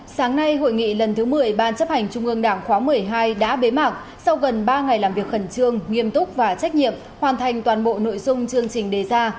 sáng nay hội nghị lần thứ một mươi ban chấp hành trung ương đảng khóa một mươi hai đã bế mạc sau gần ba ngày làm việc khẩn trương nghiêm túc và trách nhiệm hoàn thành toàn bộ nội dung chương trình đề ra